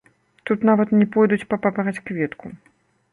Тут нават не пойдуць па папараць-кветку.